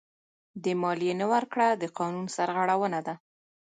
د مالیې نه ورکړه د قانون سرغړونه ده.